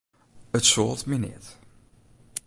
It soalt my neat.